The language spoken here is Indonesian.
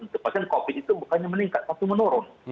untuk pasien covid itu bukannya meningkat tapi menurun